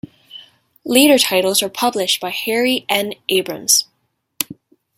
Later titles were published by Harry N. Abrams.